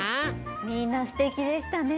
みんなすてきでしたね！